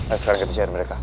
ayo sekarang kita cari mereka